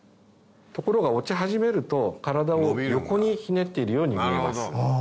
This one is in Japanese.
ところが落ち始めると体を横にひねっているように見えます。